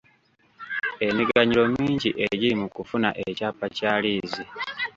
Emiganyulo mingi egiri mu kufuna ekyapa kya liizi.